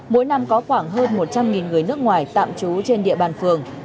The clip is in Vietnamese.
mỗi năm có khoảng hơn một trăm linh người nước ngoài tạm trú trên địa bàn phường